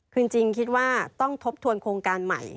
คือจริงคิดว่าต้องทบทวนโครงการใหม่